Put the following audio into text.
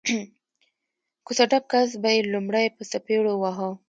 کوڅه ډب کس به یې لومړی په څپېړو واهه